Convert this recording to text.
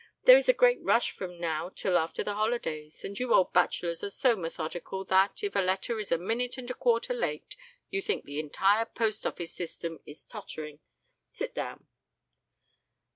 There is a great rush from now till after the holidays, and you old bachelors are so methodical that, if a letter is a minute and a quarter late, you think the entire Post Office system is tottering. Sit down."